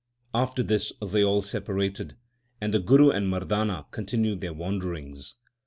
After this they all separated, and the Guru and Mardana continued their wanderings.